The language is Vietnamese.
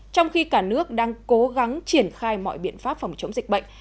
trong khi cả nước đang cố gắng triển khai mọi biện pháp phòng chống dịch bệnh